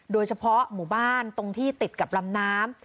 โดยเฉพาะหมู่บ้านตรงที่ติดกับลำน้ำ